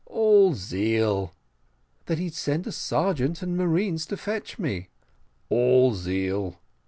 "All zeal." "And that he'd send a sergeant and marines to fetch me." "All zeal."